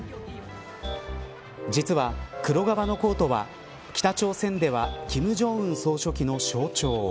実は、黒革のコートは北朝鮮では金正恩総書記の象徴。